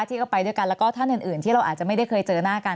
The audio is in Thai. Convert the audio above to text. ที่ก็ไปด้วยกันแล้วก็ท่านอื่นที่เราอาจจะไม่ได้เคยเจอหน้ากัน